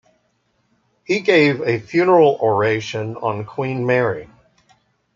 He gave a funeral oration on Queen Mary.